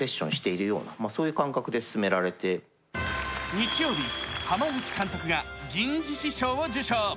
日曜日、濱口監督が銀獅子賞を受賞。